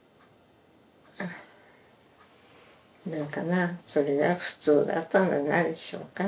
なんかなそれが普通だったんじゃないでしょうか。